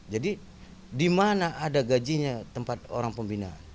di mana ada gajinya tempat orang pembinaan